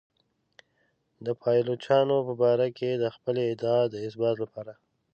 د پایلوچانو په باره کې د خپلې ادعا د اثبات لپاره.